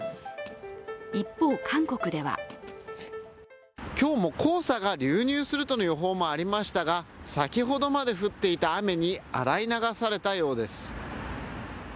一方、韓国では今日も黄砂が流入するとの予報もありましたが、先ほどまで降っていた雨に洗い流されたようです。